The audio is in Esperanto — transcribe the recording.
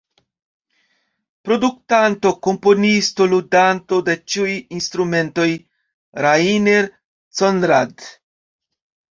Produktanto, komponisto, ludanto de ĉiuj instrumentoj: Rainer Conrad.